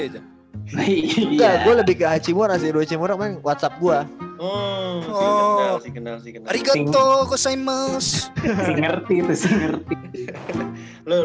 aja gue lebih ke hachimura hachimura whatsapp gua oh oh oh arigatou gozaimasu ngerti ngerti